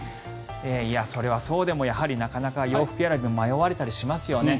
それはそうでもやはりなかなか洋服選びも迷われたりしますよね。